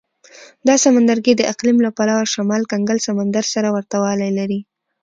دا سمندرګي د اقلیم له پلوه شمال کنګل سمندر سره ورته والی لري.